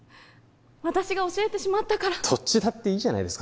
私が教えてしまったからどっちだっていいじゃないですか